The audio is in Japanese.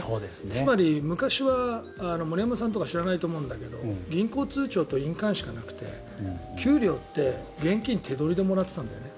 つまり昔は森山さんとか知らないと思うんだけど銀行通帳と印鑑しかなくて給料って現金手取りでもらってたんだよね。